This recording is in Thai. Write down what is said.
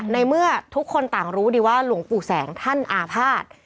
ในเมื่อทุกคนต่างรู้ดีว่าหลวงปู่แสงท่านอาภาษณ์